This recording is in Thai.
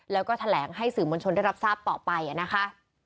แล้วก็แถลงให้สื่อมวลชนได้รับทราบต่อไปนะคะ